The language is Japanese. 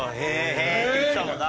へえー！」って言ってたもんな。